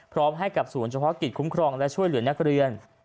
พร้อมกับศูนย์เฉพาะกิจคุ้มครองและช่วยเหลือนักเรียน